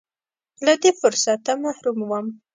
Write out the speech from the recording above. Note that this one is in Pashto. له دې فرصته محروم و.